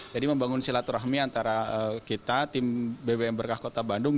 jadi membangun silaturahmi antara kita tim bbm berkah kota bandung